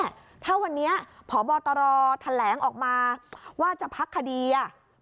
ถ้าวันนี้พบตรแถลงออกมาว่าจะพักคดีอ่ะ